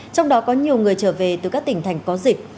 trong đó có nhiều người trở về từ các tỉnh thành có dịch